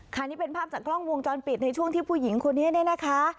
นี้เป็นภาพจากกล้องวงจรปิดในช่วงที่ผู้หญิงคนนี้เนี่ยนะคะ